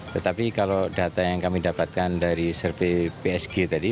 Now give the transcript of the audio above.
tetapi kalau data yang kami dapatkan dari survei psg tadi